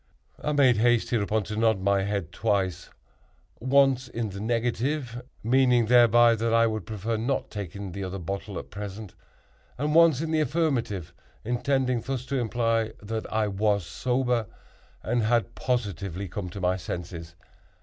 I made haste, hereupon, to nod my head twice—once in the negative, meaning thereby that I would prefer not taking the other bottle at present—and once in the affirmative, intending thus to imply that I was sober and had positively come to my senses.